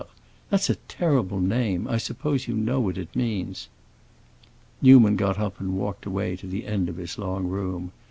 That's a terrible name; I suppose you know what it means." Newman got up and walked away to the end of his long room.